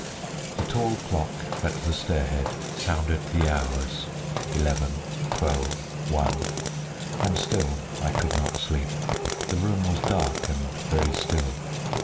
The tall clock at the stairhead sounded the hours eleven, twelve, one, and still I could not sleep. The room was dark and very still.